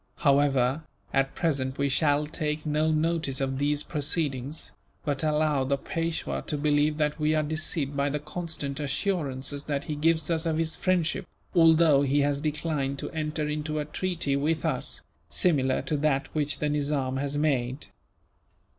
However, at present we shall take no notice of these proceedings; but allow the Peishwa to believe that we are deceived by the constant assurances that he gives us of his friendship, although he has declined to enter into a treaty with us, similar to that which the Nizam has made.